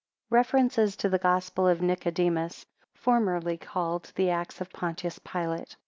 REFERENCES TO THE GOSPEL OF NICODEMUS, FORMERLY CALLED THE ACTS OF PONTIUS PILATE.